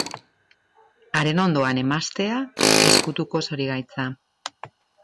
Haren ondoan emaztea, ezkutuko zorigaitza.